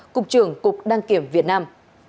cục trưởng cục đăng kiểm việt nam